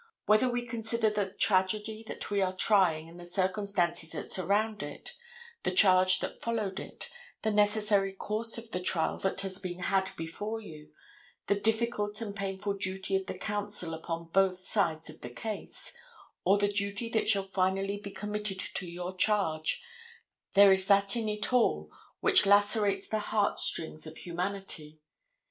Whether we consider the tragedy that we are trying and the circumstances that surround it, the charge that followed it, the necessary course of the trial that has been had before you, the difficult and painful duty of the counsel upon both sides of the case, or the duty that shall finally be committed to your charge, there is that in it all which lacerates the heart strings of humanity.